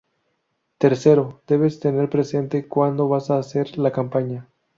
Tercero, debes tener presente cuándo vas a hacer la campaña.